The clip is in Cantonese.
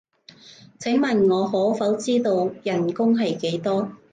請問我可否知道人工係幾多？